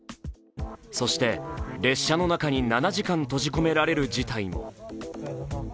そして、列車の中に７時間閉じ込められる事態も。